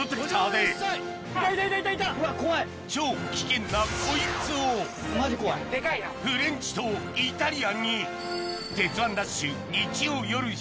超危険なコイツをフレンチとイタリアンに！